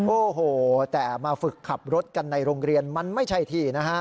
โอ้โหแต่มาฝึกขับรถกันในโรงเรียนมันไม่ใช่ที่นะฮะ